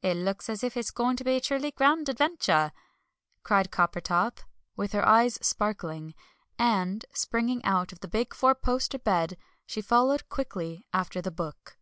"It looks as if it's going to be a truly grand adventure," cried Coppertop, with her eyes sparkling. And, springing out of the big four posted bed, she followed quickly after the book.